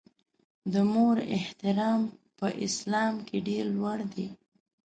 د مور احترام په اسلام کې ډېر لوړ دی.